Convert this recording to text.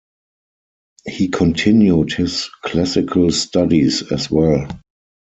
He continued his classical studies as well.